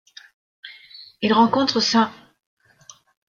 Il rencontre St.